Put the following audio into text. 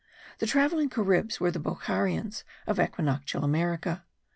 The travelling Caribs were the Bokharians of equinoctial America.